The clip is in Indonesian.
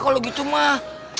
kalau gitu mah